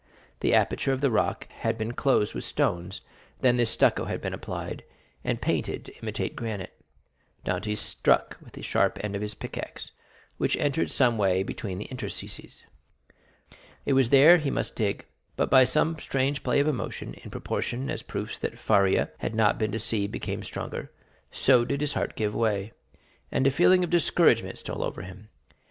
The aperture of the rock had been closed with stones, then this stucco had been applied, and painted to imitate granite. Dantès struck with the sharp end of his pickaxe, which entered someway between the interstices. It was there he must dig. But by some strange play of emotion, in proportion as the proofs that Faria, had not been deceived became stronger, so did his heart give way, and a feeling of discouragement stole over him.